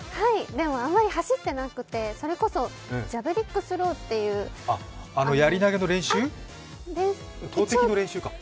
でも、あまり走ってなくてジャブリックスローっていう投てきの練習か。